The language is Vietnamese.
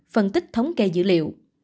phân tích thống kê dữ liệu